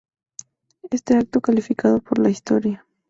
Este acto, calificado por la historia.